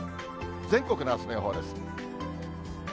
全国のあすの予報です。